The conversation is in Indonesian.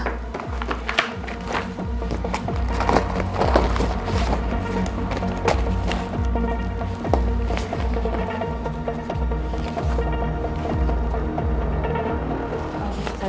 laintsnya dalam list musimnya